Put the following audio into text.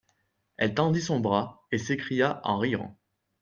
Elle tendit son bras, et s'écria en riant.